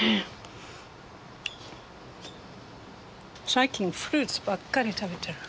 最近フルーツばっかり食べてる。